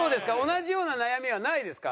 同じような悩みはないですか？